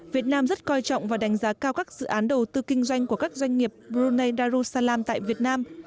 việt nam rất coi trọng và đánh giá cao các dự án đầu tư kinh doanh của các doanh nghiệp brunei darussalam tại việt nam